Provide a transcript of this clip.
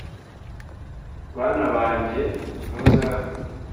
“bana banjye, muze hano